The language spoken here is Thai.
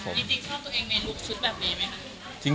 จริงชอบตัวเองในลุคชุดแบบนี้ไหมคะ